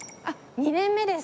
２年目です。